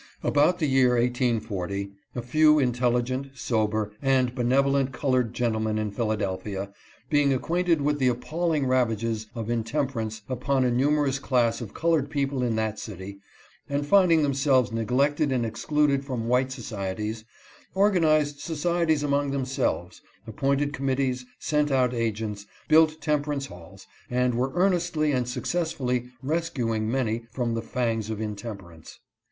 "About the year 1840, a few intelligent, sober, and benevolent col ored gentlemen in Philadelphia, being acquainted with the appalling ravages of intemperance among a numerous class of colored people in that city, and finding themselves neglected and excluded from white societies, organized societies among themselves, appointed commit tees, sent out agents, built temperance halls, and were earnestly and successfully rescuing many from the fangs of intemperance.